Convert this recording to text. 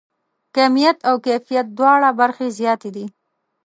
کیمیت او کیفیت دواړه برخې زیاتې دي.